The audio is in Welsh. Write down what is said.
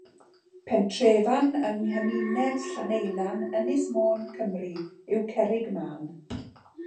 Pentrefan yng nghymuned Llaneilian, Ynys Môn, Cymru yw Cerrig-mân.